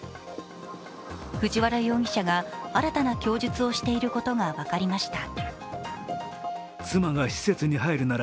藤原容疑者が新たな供述をしていることが分かりました。